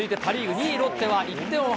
２位ロッテは１点を追う